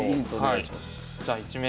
じゃあ１名。